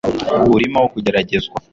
urimo kugeragezwa